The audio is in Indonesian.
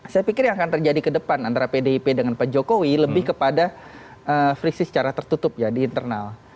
saya pikir yang akan terjadi ke depan antara pdip dengan pak jokowi lebih kepada friksi secara tertutup ya di internal